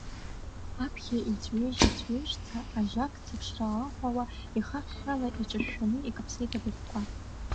Аԥхьа ицәҩеижь-цәҩеижьӡа ажьакца ԥшра аахәауа, ихахьхьала иҿышәшәаны икаԥсеит абыӷьқәа.